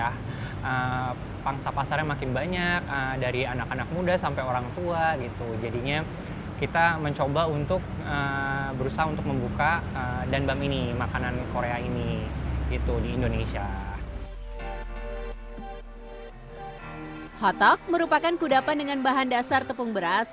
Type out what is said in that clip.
hotteok merupakan kudapan dengan bahan dasar tepung beras